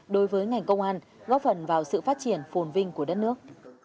đối với ngành công an góp phần vào sự phát triển phồn vinh của đất nước